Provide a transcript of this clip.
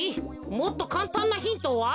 もっとかんたんなヒントは？